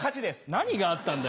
何があったんだ？